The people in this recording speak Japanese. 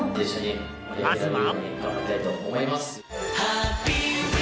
まずは。